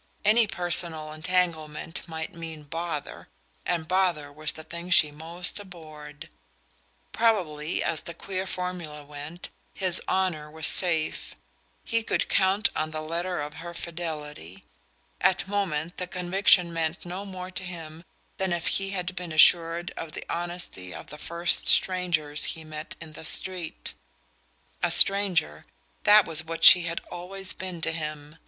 Any personal entanglement might mean "bother," and bother was the thing she most abhorred. Probably, as the queer formula went, his "honour" was safe: he could count on the letter of her fidelity. At moment the conviction meant no more to him than if he had been assured of the honesty of the first strangers he met in the street. A stranger that was what she had always been to him.